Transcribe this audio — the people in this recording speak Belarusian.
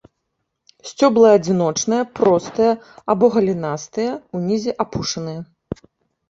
Сцёблы адзіночныя, простыя або галінастыя, унізе апушаныя.